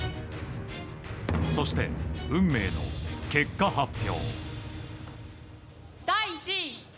そして、運命の結果発表。